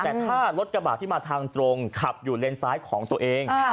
แต่ถ้ารถกระบาดที่มาทางตรงขับอยู่เลนซ้ายของตัวเอง